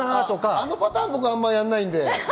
あのパターン、僕やらないので。